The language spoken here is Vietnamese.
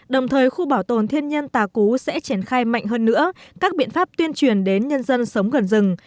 đồng thời khu bảo tồn thiên nhân tà cú sẽ triển khai mạnh hơn nữa các biện pháp tuyên truyền đến nhân dân sống gần rừng